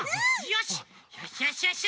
よしよしよしよし！